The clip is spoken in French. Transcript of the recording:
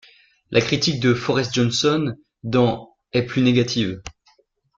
La critique de Forrest Johnson dans ' est plus négative.